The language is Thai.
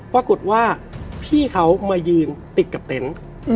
ปรากฏว่าพี่เขามายืนติดกับเต็นต์